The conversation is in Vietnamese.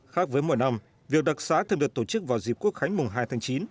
khác với mọi năm việc đặc xá thường được tổ chức vào dịp quốc khánh mùng hai tháng chín